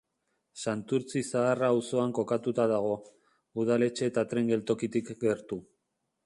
Santurtzi Zaharra auzoan kokatuta dago, udaletxe eta tren geltokitik gertu.